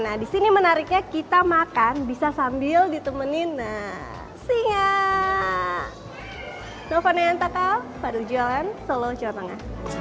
nah disini menariknya kita makan bisa sambil ditemenin singa